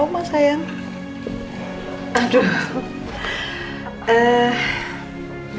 boleh kan ma